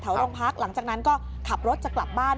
โรงพักหลังจากนั้นก็ขับรถจะกลับบ้าน